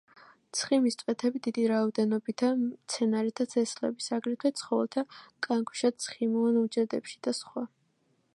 ცხიმის წვეთები დიდი რაოდენობითაა მცენარეთა თესლების, აგრეთვე ცხოველთა კანქვეშა ცხიმოვან უჯრედებში და სხვა.